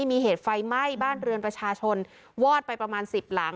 มีเหตุไฟไหม้บ้านเรือนประชาชนวอดไปประมาณสิบหลัง